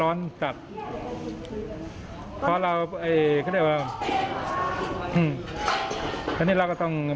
ตอนนี้เราก็ต้องเข้ามาให้ใช้แล้วนะฮะ